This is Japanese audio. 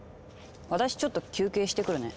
私ちょっと休憩してくるね。